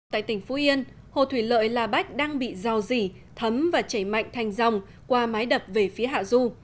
tại tỉnh phú yên hồ thủy lợi la bách đang bị rò rỉ thấm và chảy mạnh thành dòng qua mái đập về phía hạ du